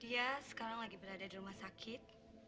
dia sekarang lagi berada di rumah sakit